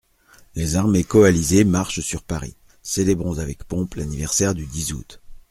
Les armées coalisées marchent sur Paris : célébrons avec pompe l'anniversaire du dix août.